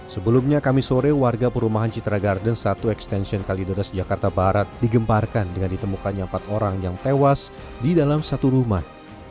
sebelumnya kami sore warga perumahan citra garden satu extension kalideres jakarta barat digemparkan dengan ditemukannya empat orang yang tewas di dalam satu rumah